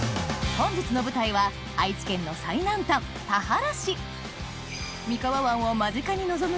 本日の舞台は愛知県の最南端を間近に望む